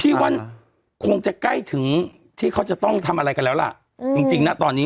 คิดว่าคงจะใกล้ถึงที่เขาจะต้องทำอะไรกันแล้วล่ะจริงนะตอนนี้